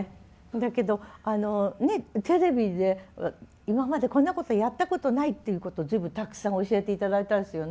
だけどあのねえテレビで今までこんなことやったことないっていうことを随分たくさん教えて頂いたんですよね。